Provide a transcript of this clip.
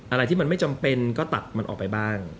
อะไรที่มันไม่จำเป็นก็ตัดมันออกไปบ้าง